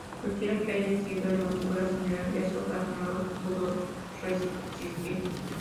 Cualquiera que haya sido el motivo, la señora Díaz Ordaz no lo pudo resistir.